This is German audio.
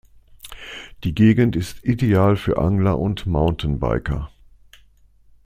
Die Gegend ist ideal für Angler und Mountain-Biker.